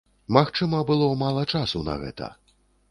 Магчыма, было мала часу на гэта.